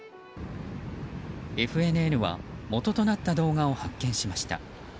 ＦＮＮは元となった動画を発見しました。